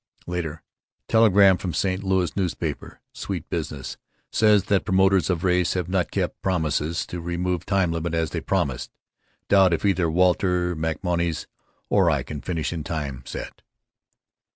Later: Telegram from a St. L. newspaper. Sweet business. Says that promoters of race have not kept promise to remove time limit as they promised. Doubt if either Walter MacMonnies or I can finish in time set.